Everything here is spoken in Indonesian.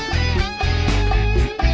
kenapa tidak bisa